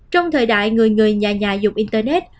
trong thời đại người người nhà nhà dùng internet